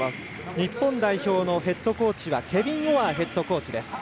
日本代表のヘッドコーチはケビン・オアーヘッドコーチです。